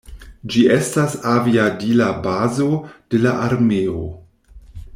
Ĝi estas aviadila bazo de la armeo.